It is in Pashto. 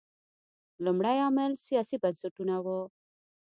لومړی عامل سیاسي بنسټونه وو.